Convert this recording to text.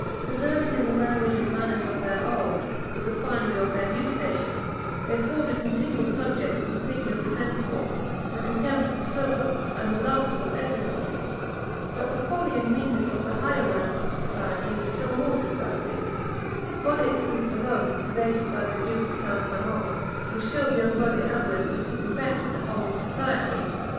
Preserving the language and manners of their old, with the finery of their new station, they afforded continual subjects for the pity of the sensible, the contempt of the sober, and the laughter of every body. But the folly and meanness of the higher ranks of society were still more disgusting. One instance alone, related by the Duke de St. Simon, will shew the unworthy avarice which infected the whole of society.